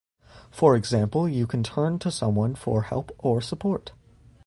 For example, you can turn to someone for help or support.